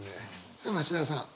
さあ町田さん。